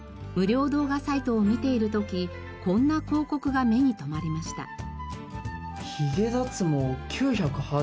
無料動画サイトを見ている時こんな広告が目に留まりました。